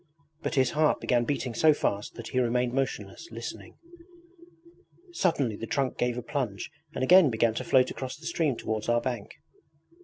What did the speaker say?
But his heart began beating so fast that he remained motionless, listening. Suddenly the trunk gave a plunge and again began to float across the stream towards our bank.